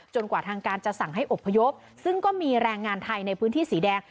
กว่าทางการจะสั่งให้อบพยพซึ่งก็มีแรงงานไทยในพื้นที่สีแดง